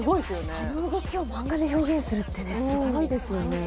それを漫画で表現するって、すごいですよね。